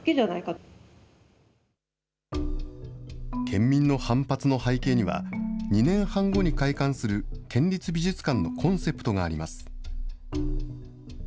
県民の反発の背景には、２年半後に開館する県立美術館のコンセプトがあります。